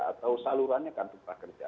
atau salurannya kantor pekerja